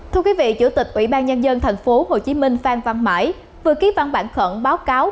thưa quý vị chủ tịch ủy ban nhân dân tp hcm phan văn mãi vừa ký văn bản khẩn báo cáo